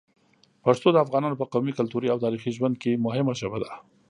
پښتو د افغانانو په قومي، کلتوري او تاریخي ژوند کې مهمه ژبه ده.